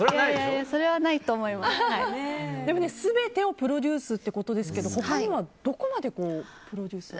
全てをプロデュースということですけど他にはどこまでプロデュースを？